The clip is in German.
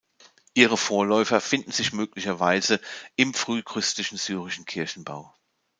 Ihre Vorläufer finden sich möglicherweise im frühchristlichen syrischen Kirchenbau.